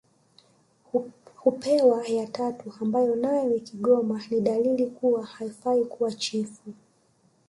Hupewa ya tatu ambayo nayo ikigoma ni dalili kuwa hafai kuwa chifu